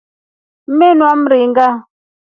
Mmenua mringa.